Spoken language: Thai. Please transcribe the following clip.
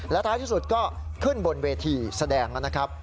ท้ายที่สุดก็ขึ้นบนเวทีแสดงนะครับ